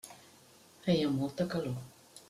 Feia molta calor.